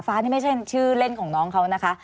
นี่ไม่ใช่ชื่อเล่นของน้องเขานะคะ